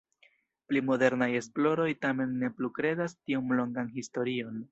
Pli modernaj esploroj tamen ne plu kredas tiom longan historion.